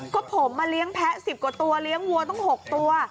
ก็ผมมาเลี้ยงแพ้๑๐กว่าตัวเลี้ยงวัวต้อง๖ตัว